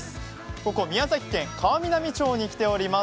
ここ宮崎県川南町に来ております。